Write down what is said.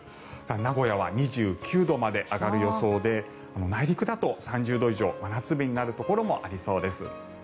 名古屋は２９度まで上がる予想で内陸だと３０度以上真夏日になるところもありそうです。